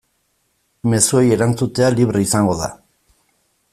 Mezuei erantzutea libre izango da.